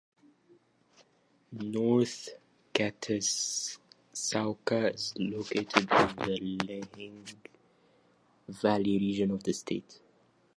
North Catasauqua in located in the Lehigh Valley region of the state.